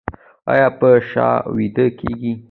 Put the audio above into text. ایا په شا ویده کیږئ؟